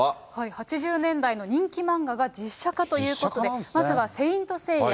８０年代の人気漫画が実写化ということで、まずは聖闘士星矢。